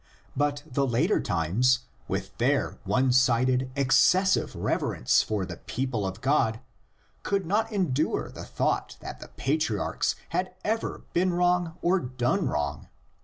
But the later times, with their one sided, excessive reverence for "the people of God," could not endure the thought that the patriarchs THE LEGENDS IN ORAL TRADITION. 115 had ever been wrong or done wrong.